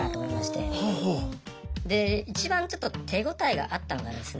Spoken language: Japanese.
で一番ちょっと手応えがあったのがですね